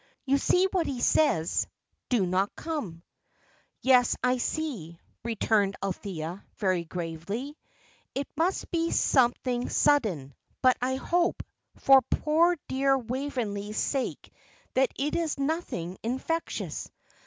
You see what he says: 'Do not come.'" "Yes, I see," returned Althea, very gravely. "It must be something sudden; but I hope, for poor dear Waveney's sake, that it is nothing infectious.